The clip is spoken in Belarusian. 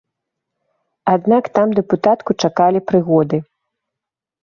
Аднак там дэпутатку чакалі прыгоды.